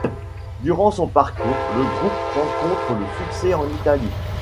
Durant son parcours, le groupe rencontre le succès en Italie.